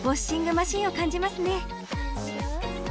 マシーンを感じますね！